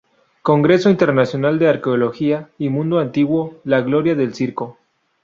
Congreso Internacional de Arqueología y mundo antiguo: La gloria del Circo.